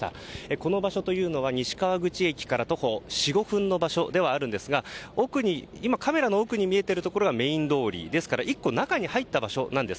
この場所というのは西川口駅から徒歩４５分の場所ではあるんですがカメラの奥に見えているところがメイン通りですから１個中に入った場所なんです。